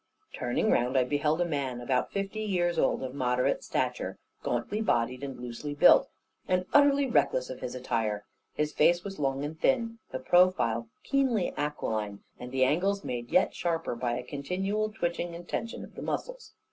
Turning round, I beheld a man about fifty years old, of moderate stature, gauntly bodied, and loosely built, and utterly reckless of his attire. His face was long and thin, the profile keenly aquiline; and the angles made yet sharper, by a continual twitching and tension of the muscles.